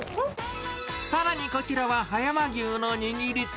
さらにこちらは、葉山牛のにぎり。